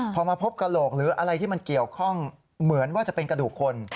พอมาพบกระโหลกหรืออะไรที่มันเกี่ยวข้องเหมือนว่าจะเป็นกระดูกคน